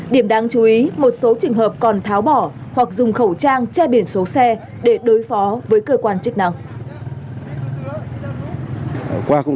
điểm đáng chú ý một số trường hợp còn tháo bỏ hoặc dùng khẩu trang che biển số xe để đối phó với cơ quan chức năng